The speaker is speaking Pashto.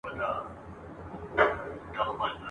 زه په لحد کي او ته به ژاړې !.